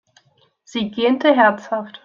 Sie gähnte herzhaft.